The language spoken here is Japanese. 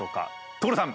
所さん！